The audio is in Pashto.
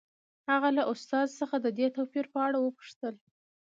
هغه له استاد څخه د دې توپیر په اړه وپوښتل